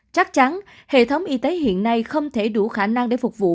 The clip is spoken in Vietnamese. chắc chắn hệ thống y tế hiện nay không thể đủ khả năng để phục vụ